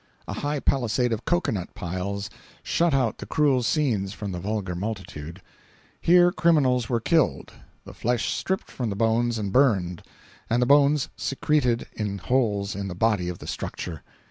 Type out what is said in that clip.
A high palisade of cocoanut piles shut out the cruel scenes from the vulgar multitude. Here criminals were killed, the flesh stripped from the bones and burned, and the bones secreted in holes in the body of the structure.